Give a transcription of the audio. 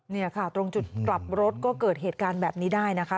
นี่ค่ะตรงจุดกลับรถก็เกิดเหตุการณ์แบบนี้ได้นะคะ